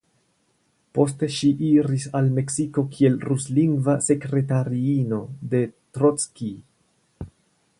Poste ŝi iris al Meksiko kiel ruslingva sekretariino de Trockij.